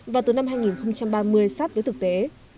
và từ năm hai nghìn ba mươi sát với thực tế